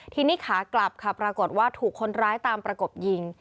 ทีนี้ขากลับค่ะปรากฏว่าถูกคนร้ายตามประกบยิง